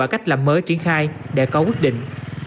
cách làm mới triển khai để có quyết định